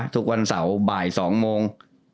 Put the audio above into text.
ทุกวันเสาร์บ่าย๒โมง